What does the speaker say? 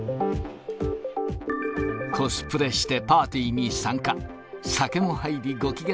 コスプレしてパーティーに参加。